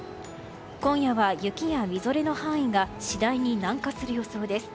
今夜は雪やみぞれの範囲が次第に南下する予想です。